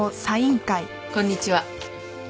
こんにちは。